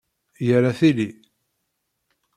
Yerra tili.